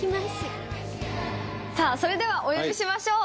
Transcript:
さあそれではお呼びしましょう。